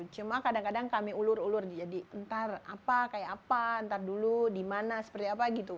cuma kadang kadang kami ulur ulur jadi entar apa kayak apa entar dulu di mana seperti apa gitu